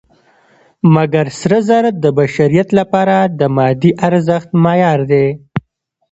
مګر سره زر د بشریت لپاره د مادي ارزښت معیار دی.